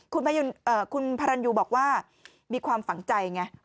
คุณพระรันยูบอกว่ามีความฝังใจไง